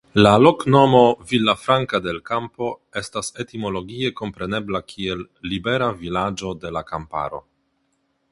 La loknomo "Villafranca del Campo" estas etimologie komprenebla kiel "Libera Vilaĝo de la Kamparo".